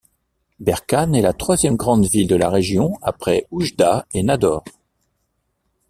Berkane est la troisième grande ville de la région après Oujda et Nador.